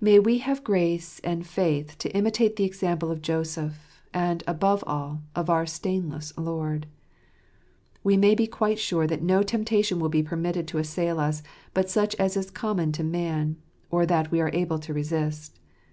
May we have grace and faith to imitate the example of Joseph, and, above all, of our stainless Lord. We may be quite sure that no temptation will be permitted to assail us — but such as is common to man, or that we are able to resist.